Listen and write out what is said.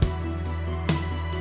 lepas dulu tangan lo